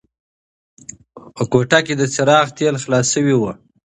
په کوټه کې د څراغ تېل خلاص شوي وو.